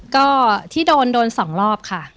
ก็ที่โดนโดน๒รอบค่ะ